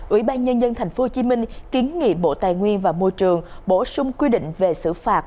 ủy ban nhân dân tp hcm kiến nghị bộ tài nguyên và môi trường bổ sung quy định về xử phạt